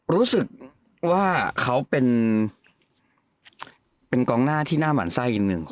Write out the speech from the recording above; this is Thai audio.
รู้สึกว่าเขาเป็นกองหน้าที่หน้าหมั่นไส้อันหนึ่ง